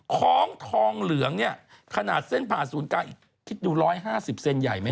ท้องทองเหลืองเนี่ยขนาดเส้นผ่าศูนย์กลางอีกคิดดู๑๕๐เซนใหญ่ไหม